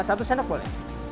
satu senok boleh